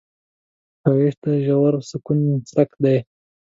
ښایست د ژور سکون څرک دی